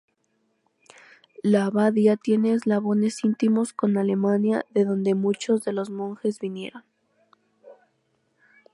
La abadía tiene eslabones íntimos con Alemania de dónde muchos de los monjes vinieron.